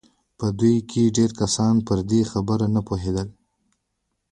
په دوی کې ډېر کسان پر دې خبره نه پوهېدل